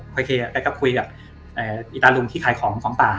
โอเคแกก็คุยกับอีตาลุงที่ขายของของป่า